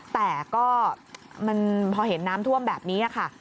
แต่ก็มันพอเห็นน้ำท่วมแบบนี้ค่ะ